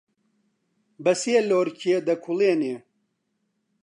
بەسێ لۆرکێ دەکوڵێنێ